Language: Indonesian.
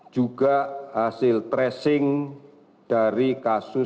juga hasil tracing dari kasus